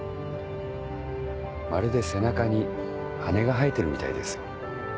まるで背中に羽が生えてるみたいです。